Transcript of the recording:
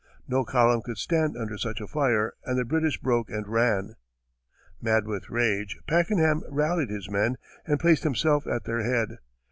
No column could stand under such a fire, and the British broke and ran. Mad with rage, Pakenham rallied his men and placed himself at their head.